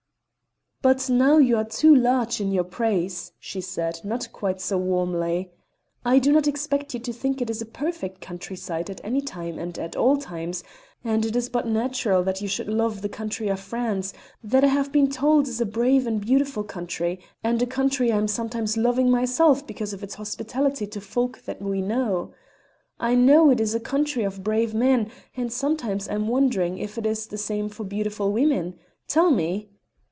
"But now you are too large in your praise," she said, not quite so warmly. "I do not expect you to think it is a perfect country side at any time and all times; and it is but natural that you should love the country of France, that I have been told is a brave and beautiful country, and a country I am sometimes loving myself because of its hospitality to folk that we know. I know it is a country of brave men, and sometimes I am wondering if it is the same for beautiful women. Tell me!"